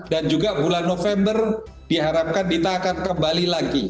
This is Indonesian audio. dan juga bulan november diharapkan dita akan kembali lagi